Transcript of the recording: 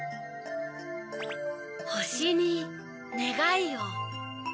ほしにねがいを。